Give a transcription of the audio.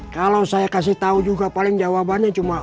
kalau saya kasih tahu juga paling jawabannya cuma